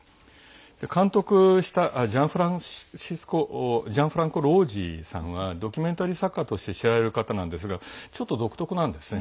監督したジャンフランコ・ロージさんはドキュメンタリー作家として知られる人ですがちょっと独特なんですね。